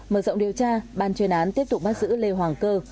mở rộng điều tra ban chuyên án tiếp tục bắt giữ lê hoàng cơ